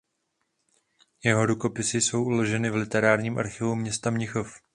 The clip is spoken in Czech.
Jeho rukopisy jsou uloženy v literárním archivu města Mnichov.